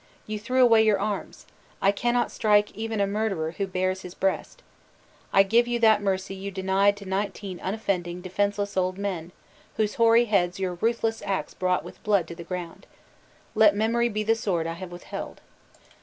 You threw away your arms! I cannot strike even a murderer who bares his breast. I give you that mercy you denied to nineteen unoffending, defenseless old men, whose hoary heads your ruthless ax brought with blood to the ground. Let memory be the sword I have withheld!"